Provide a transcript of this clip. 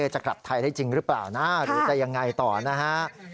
จะกลับไทยได้จริงหรือเปล่านะหรือจะยังไงต่อนะฮะ